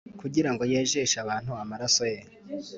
“kugira ngo yejeshe abantu amaraso ye,”